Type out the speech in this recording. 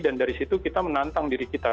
dan dari situ kita menantang diri kita